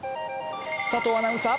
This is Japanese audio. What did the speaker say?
佐藤アナウンサー